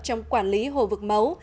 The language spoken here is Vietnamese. trong quản lý hồ vực máu